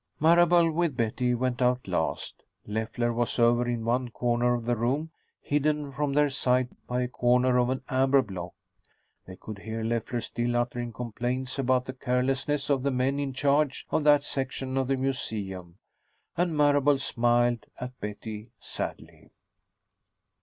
Marable, with Betty, went out last. Leffler was over in one corner of the room, hidden from their sight by a corner of an amber block. They could hear Leffler still uttering complaints about the carelessness of the men in charge of that section of the museum, and Marable smiled at Betty sadly.